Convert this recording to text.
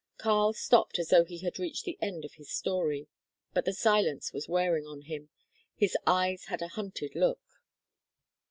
Karl stopped as though he had reached the end of his story. But the silence was wearing on him. His eyes had a hunted look.